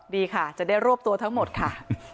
ดีค่ะจะได้รวบตัวทั้งหมดค่ะ